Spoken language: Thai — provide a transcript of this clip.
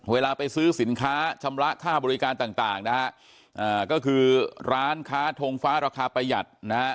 เวลาไปซื้อสินค้าชำระค่าบริการต่างนะฮะก็คือร้านค้าทงฟ้าราคาประหยัดนะฮะ